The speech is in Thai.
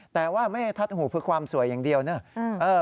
แต่ว่าไม่ได้ทัดหูเพื่อความสวยอย่างเดียวนะ